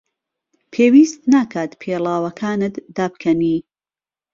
پێویست ناکات پێڵاوەکانت دابکەنی.